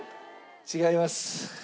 違います。